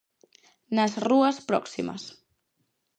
Nas rúas próximas.